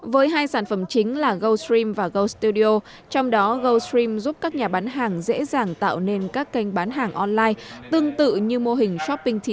với hai sản phẩm chính là goldstream và goldstudio trong đó goldstream giúp các nhà bán hàng dễ dàng tạo nên các kênh bán hàng online tương tự như mô hình shopping ti